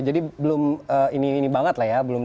jadi belum ini ini banget lah ya